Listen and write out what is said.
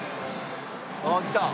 あっ来た。